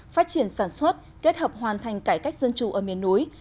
phát triển sản xuất kết hợp hoàn thành cải cách dân chủ ở miền núi